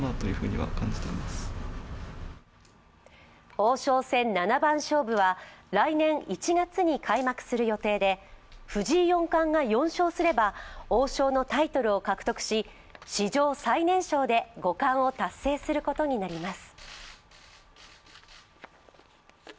王将戦七番勝負は来年１月に開幕する予定で藤井四冠が４勝すれば王将のタイトルを獲得し、史上最年少で五冠を達成することになります。